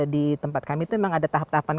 di tempat kami itu memang ada tahap tahapan